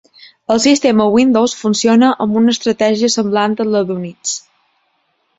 El sistema Windows funciona amb una estratègia semblant a la d'Unix.